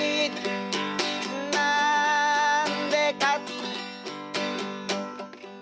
「なんでか？」